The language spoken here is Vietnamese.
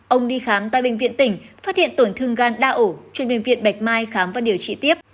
ông đi khám tại bệnh viện tỉnh phát hiện tổn thương gan đa ổ trong bệnh viện bạch mai khám và điều trị tiếp